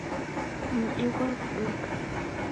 Mudi ghwaw'uduka.